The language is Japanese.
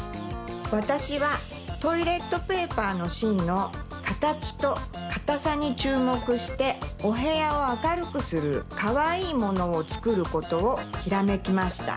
わたしはトイレットペーパーのしんのかたちとかたさにちゅうもくしておへやをあかるくするかわいいものをつくることをひらめきました。